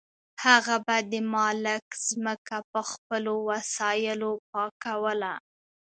هغه به د مالک ځمکه په خپلو وسایلو پاکوله.